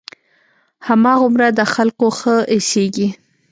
هماغومره د خلقو ښه اېسېږي.